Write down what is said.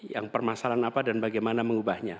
yang permasalahan apa dan bagaimana mengubahnya